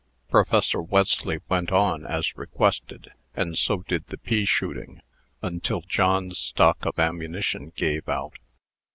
Professor Wesley "went on," as requested, and so did the pea shooting, until John's stock of ammunition gave out.